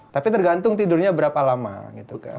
tapi tergantung tidurnya berapa lama gitu kan